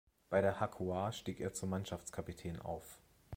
Bei der Hakoah stieg er zum Mannschaftskapitän auf.